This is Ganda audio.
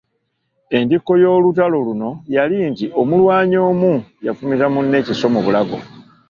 Entikko y’olutalo luno yali nti omulwanyi omu yafumita munne ekiso mu bulago.